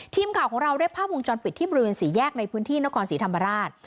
ทีมข่าวของเราได้ภาพวงจรปิดที่บริเวณสี่แยกในพื้นที่นครศรีธรรมราช